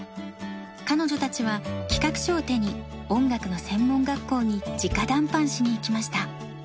彼女たちは企画書を手に音楽の専門学校に直談判しに行きました。